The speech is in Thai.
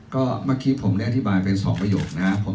ก็เมื่อกี้ผมแเนี่ยอธิบายเป็นสองประโยคนะครับ